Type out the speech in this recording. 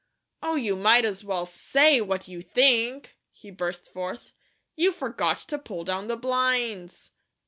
"Oh, you might as well SAY what you think," he burst forth. "You forgot to pull down the blinds."